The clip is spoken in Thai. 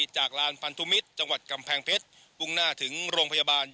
จากลานพันธุมิตรจังหวัดกำแพงเพชรมุ่งหน้าถึงโรงพยาบาล